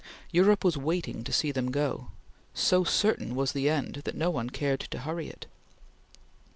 Europe was waiting to see them go. So certain was the end that no one cared to hurry it.